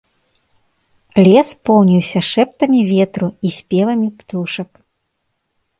Лес поўніўся шэптамі ветру і спевамі птушак.